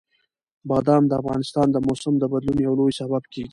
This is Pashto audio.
بادام د افغانستان د موسم د بدلون یو لوی سبب کېږي.